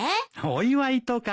お祝いとか。